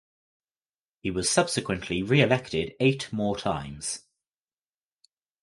He was subsequently reelected eight more times.